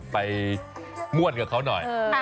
ไปม่วนกับเขาหน่อย